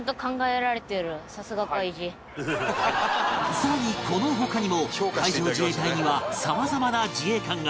さらにこの他にも海上自衛隊には様々な自衛艦が